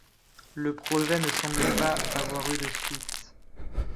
Le projet ne semble pas avoir eu de suite.